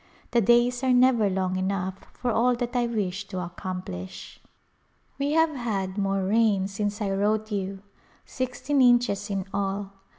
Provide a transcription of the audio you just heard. The days are never long enough for all that I wish to accomplish. We have had more rain since I wrote you — sixteen inches in all.